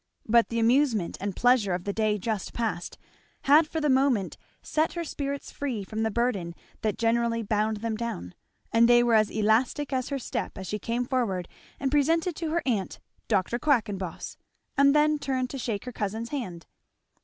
But the amusement and pleasure of the day just passed had for the moment set her spirits free from the burden that generally bound them down; and they were as elastic as her step as she came forward and presented to her aunt "Dr. Quackenboss, and then turned to shake her cousin's hand."